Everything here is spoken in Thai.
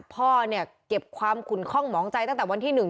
พ่อเนี่ยเก็บความขุนคล่องหมองใจตั้งแต่วันที่๑